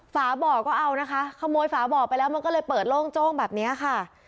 ฝาบ่อก็เอานะคะขโมยฝาบ่อไปแล้วมันก็เลยเปิดโล่งโจ้งแบบนี้ค่ะ